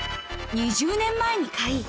２０年前に買い